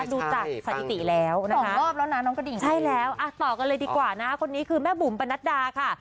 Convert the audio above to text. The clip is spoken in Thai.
ดูจากสถิติแล้วนะคะใช่แล้วต่อกันเลยดีกว่านะคนนี้คือแม่บุ๋มปนัดดาค่ะ